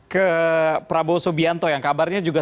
ke prabowo subianto yang kabarnya juga